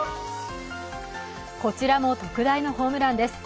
こちらも特大のホームランです。